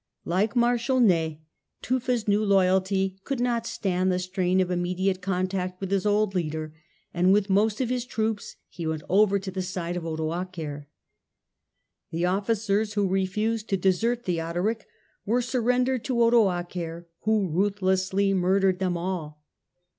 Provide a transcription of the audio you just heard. Like Marshal Ney, Tufa's new loyalty could not stand the strain of immediate contact with his old leader, and, with most of his troops, he went over to the side of Odoacer. The officers who refused to desert Theodoric were surrendered to Odoacer, who ruthlessly murdered them all.